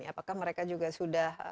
apakah mereka juga sudah